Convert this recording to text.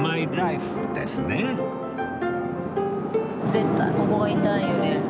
絶対ここが痛いよね。